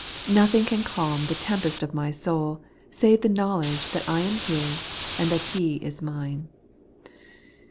Nothing can calm the tempest of my soul, save the knowledge that I am His, and that He is mine.